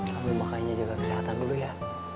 kami makanya jaga kesehatan dulu ya